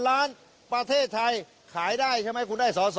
ล้านประเทศไทยขายได้ใช่ไหมคุณได้สอสอ